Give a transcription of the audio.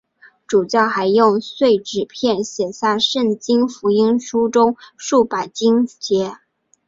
主教还用碎纸片写下圣经福音书中数百经节。